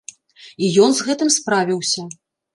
І ён з гэтым справіўся.